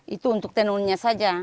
itu untuk tenunnya saja